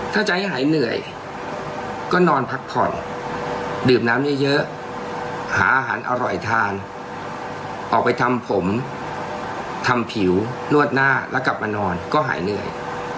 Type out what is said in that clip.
ถ้าใจให้หายเหนื่อยก็นอนพักผ่อนดื่มน้ำเยอะหาอาหารอร่อยทานออกไปทำผมทำผิวนวดหน้าแล้วกลับมานอนก็หายเหนื่อย